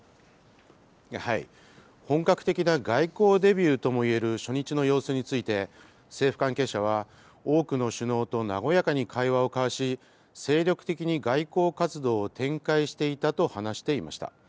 本格的な外交デビューともいえる初日の様子について、政府関係者は、多くの首脳と和やかに会話を交わし、精力的に外交活動を展開していたと話していました。